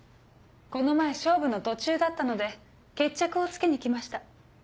この前勝負の途中だったので決着をつけに来ました。